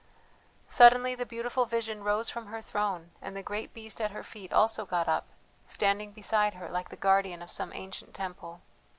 Suddenly the beautiful vision rose from her throne, and the great beast at her feet also got up, standing beside her like the guardian of some ancient temple.